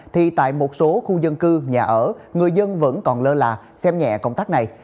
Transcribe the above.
thì tại một số khu dân cư nhà ở người dân vẫn còn lơ là xem nhẹ công tác này